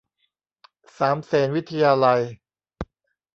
สามเสนวิทยาลัย